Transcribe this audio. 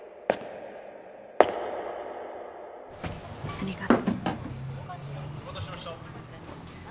ありがと